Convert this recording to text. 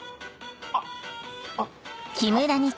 あっあっ。